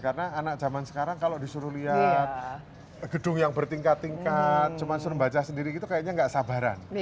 karena anak zaman sekarang kalau disuruh lihat gedung yang bertingkat tingkat cuma suruh membaca sendiri itu kayaknya gak sabaran